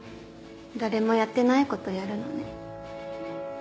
誰もやってない事をやるのね。